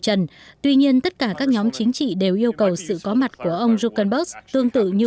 trần tuy nhiên tất cả các nhóm chính trị đều yêu cầu sự có mặt của ông zukanberg tương tự như